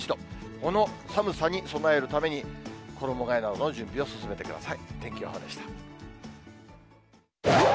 この寒さに備えるために、衣がえなどの準備を進めてください。